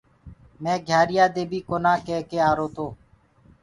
مي گھيآريآ دي بي ڪونآ ڪيڪي آرو تو